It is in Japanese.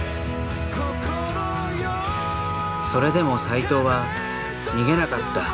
それでも斎藤は逃げなかった。